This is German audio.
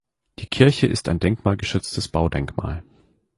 Die Kirche ist ein denkmalgeschütztes Baudenkmal.